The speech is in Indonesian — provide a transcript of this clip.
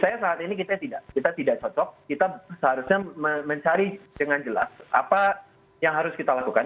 saya saat ini kita tidak kita tidak cocok kita seharusnya mencari dengan jelas apa yang harus kita lakukan